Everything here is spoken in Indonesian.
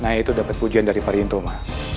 naik itu dapat pujian dari pariwintoma